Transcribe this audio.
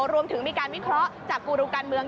รวมถึงมีการวิเคราะห์จากกูรูการเมือง